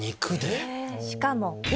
しかも今。